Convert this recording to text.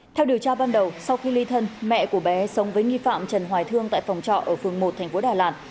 theo điều tra ban đầu sau khi ly thân mẹ của bé sống với nghi phạm trần hoài thương tại phòng trọ ở phường một thành phố đà lạt